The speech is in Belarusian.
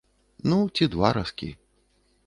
Ну ці два разкі.